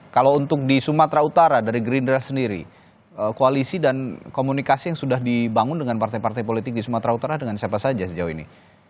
kalau untuk di sumatera utara dari gerindra sendiri koalisi dan komunikasi yang sudah dibangun dengan partai partai politik di sumatera utara dengan siapa saja sejauh ini